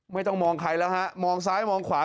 ไม่ต้องมองใครแล้วฮะมองซ้ายมองขวา